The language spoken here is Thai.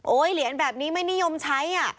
โอ๊ยเหรียญแบบนี้ไม่นิยมใช้อ่ะ